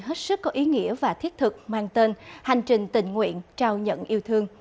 hết sức có ý nghĩa và thiết thực mang tên hành trình tình nguyện trao nhận yêu thương